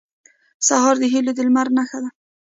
سهار د هيلو د لمر نښه ده.